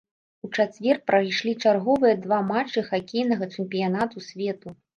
У чацвер прайшлі чарговыя два матчы хакейнага чэмпіянату свету.